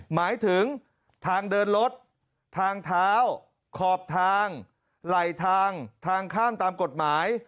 หมายถึงทางเดินรถทางเท้าขอบทางไหลทางทางข้ามตามกฎหมาย